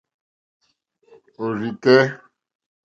Òrzì kɛ́.